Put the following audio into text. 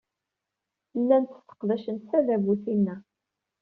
Llant sseqdacent tadabut-inna.